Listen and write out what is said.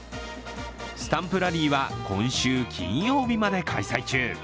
スタンプラリーは今週金曜日まで開催中。